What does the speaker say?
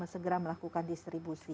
segera melakukan distribusi